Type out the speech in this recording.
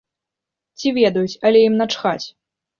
Ці ведаюць, але ім начхаць?